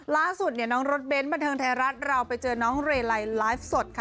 ล่าสุดเนี่ยน้องรถเบ้นบันเทิงไทยรัฐเราไปเจอน้องเรลัยไลฟ์สดค่ะ